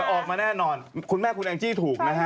ออกมาแน่นอนคุณแม่คุณแองจี้ถูกนะฮะ